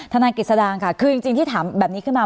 ทนายกฤษดางค่ะคือจริงที่ถามแบบนี้ขึ้นมา